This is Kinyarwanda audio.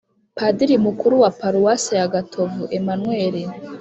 padiri mukuru wa paruwasi ya gatovu emmanuel